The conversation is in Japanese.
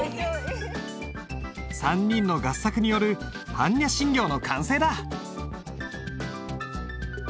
３人の合作による般若心経の完成だ。